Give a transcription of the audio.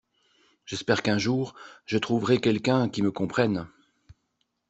J’espère qu’un jour, je trouverai quelqu’un qui me comprenne.